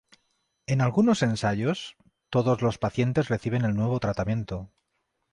En algunos ensayos, todos los pacientes reciben el nuevo tratamiento.